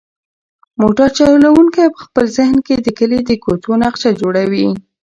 موټر چلونکی په خپل ذهن کې د کلي د کوڅو نقشه جوړوي.